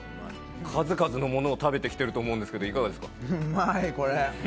数々のものを食べてきてると思うんですけどいかがですか？